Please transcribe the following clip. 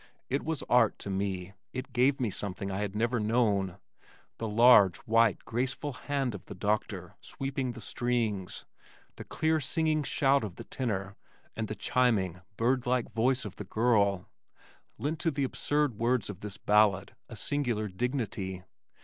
It was art to me. It gave me something I had never known. The large, white, graceful hand of the doctor sweeping the strings, the clear ringing shout of the tenor and the chiming, bird like voice of the girl lent to the absurd words of this ballad a singular dignity.